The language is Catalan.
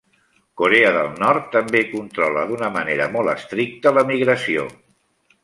Corea del Nord també controla d'una manera molt estricta l'emigració.